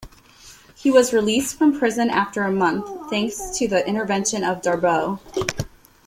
He was released from prison after a month, thanks to the intervention of Darboux.